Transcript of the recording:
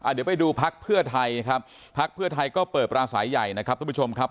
เดี๋ยวไปดูพักเพื่อไทยครับพักเพื่อไทยก็เปิดปราศัยใหญ่นะครับทุกผู้ชมครับ